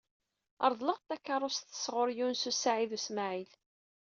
Reḍleɣ-d takeṛṛust sɣur Yunes u Saɛid u Smaɛil.